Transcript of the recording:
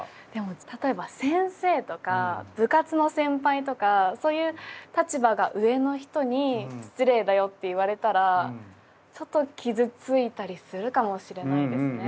例えば先生とか部活の先輩とかそういう立場が上の人に「失礼だよ」って言われたらちょっと傷ついたりするかもしれないですね。